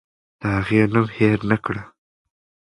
د هغې نوم هېر نکړه.